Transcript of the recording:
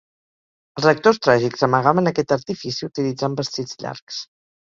Els actors tràgics amagaven aquest artifici utilitzant vestits llargs.